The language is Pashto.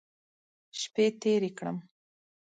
شپې تېرې کړم.